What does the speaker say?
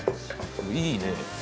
いいね。